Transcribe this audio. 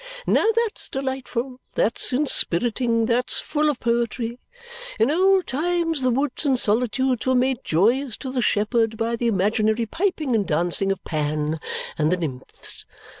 Now that's delightful, that's inspiriting, that's full of poetry! In old times the woods and solitudes were made joyous to the shepherd by the imaginary piping and dancing of Pan and the nymphs.